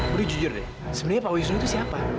baru jujur deh sebenarnya pak wisnu itu siapa